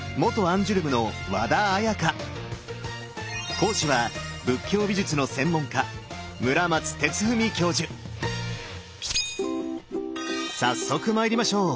講師は仏教美術の専門家早速参りましょう！